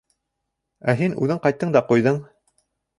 Ә һин үҙең ҡайттың да ҡуйҙың...